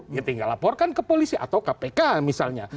ya tinggal laporkan ke polisi atau ke pk misalnya